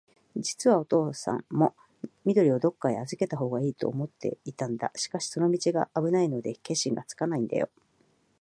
じつはおとうさんも、緑をどっかへあずけたほうがいいとは思っていたんだ。しかし、その道があぶないので、決心がつかないんだよ。